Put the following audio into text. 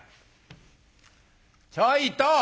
ちょいと。